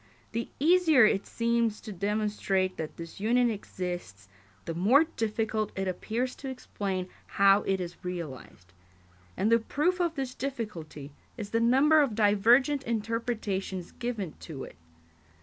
The easier it seems to demonstrate that this union exists, the more difficult it appears to explain how it is realised; and the proof of this difficulty is the number of divergent interpretations given to it.